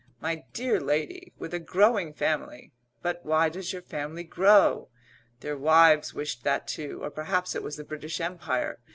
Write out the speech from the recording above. "My dear lady, with a growing family " "But why does your family grow?" Their wives wished that too, or perhaps it was the British Empire.